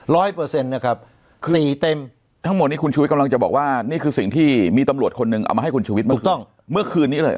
เปอร์เซ็นต์นะครับสี่เต็มทั้งหมดนี้คุณชุวิตกำลังจะบอกว่านี่คือสิ่งที่มีตำรวจคนหนึ่งเอามาให้คุณชุวิตมาถูกต้องเมื่อคืนนี้เลย